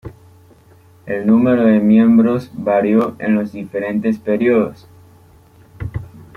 El número de miembros varió en los diferentes períodos.